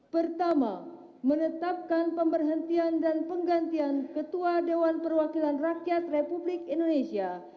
pertama menetapkan pemberhentian dan penggantian ketua dewan perwakilan rakyat republik indonesia